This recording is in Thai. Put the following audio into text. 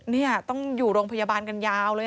นี่ต้องอยู่โรงพยาบาลกันยาวเลย